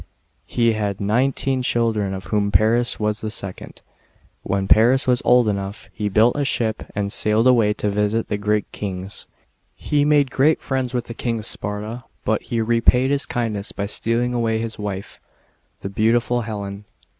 He had nine teen children, of whom Paris was the second. When Paris was old enough, he built a ship, and sailed away to visit the Greek kings. Re made greaj 62 GREEKS AND TROJANS. [B.C. 1193. friends with the King of Sparta, but he repaid his kindness, by stealing away his wife, the beautiful Helen.